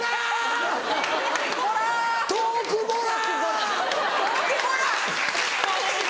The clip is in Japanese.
トークボラ！